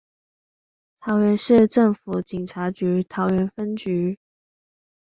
桃園市政府警察局桃園分局